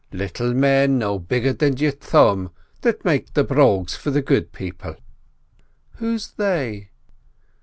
"Little men no bigger than your thumb that make the brogues for the Good People." "Who's they?"